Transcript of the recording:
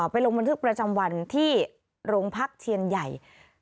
ลงบันทึกประจำวันที่โรงพักเชียนใหญ่